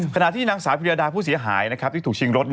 ขณะที่นางสาวพิยดาผู้เสียหายที่ถูกชิงรถ